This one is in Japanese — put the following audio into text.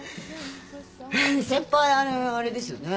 先輩あれですよね？